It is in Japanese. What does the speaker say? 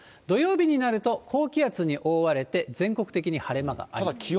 土曜日になると、高気圧に覆われて、全国的に晴れ間があります。